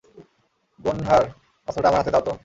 Gunther, অস্ত্রটা আমার হাতে দাও তো।